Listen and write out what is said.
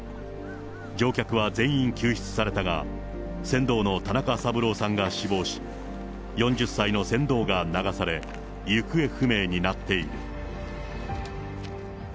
乗客は全員救出されたが、船頭の田中三郎さんが死亡し、４０歳の船頭が流され、行方不明になっている。